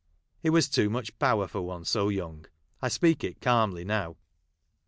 It was too much power for one so young — 1 speak it calmly now.